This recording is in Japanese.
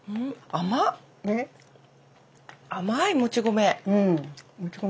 甘いもち米。